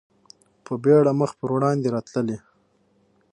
په بېړه مخ په وړاندې راتللې.